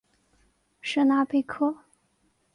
舍纳贝克。